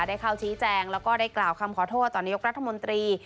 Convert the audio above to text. ได้เข้าชี้แจงแล้วก็ได้กล่าวคำขอโทษต่อนายกรัฐมนตรี